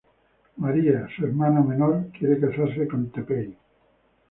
María, su hermana menor quiere casarse con Teppei.